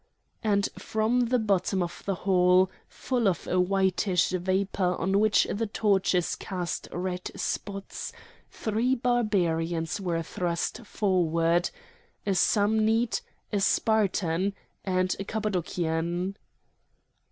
And from the bottom of the hall, full of a whitish vapour on which the torches cast red spots, three Barbarians were thrust forward: a Samnite, a Spartan, and a Cappadocian.